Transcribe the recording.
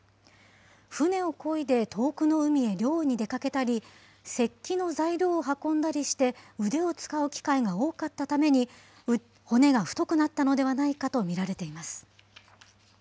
舟をこいで遠くの海へ漁に出かけたり、石器の材料を運んだりして腕を使う機会が多かったために、骨が太くなったのではないかと見られています。